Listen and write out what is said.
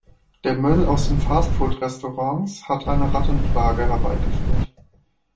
Der Müll aus den Fast-Food-Restaurants hat eine Rattenplage herbeigeführt.